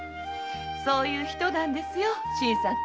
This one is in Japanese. そういう人なんですよ新さんって。